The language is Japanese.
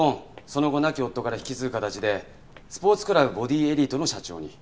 その後亡き夫から引き継ぐ形でスポーツクラブボディエリートの社長に。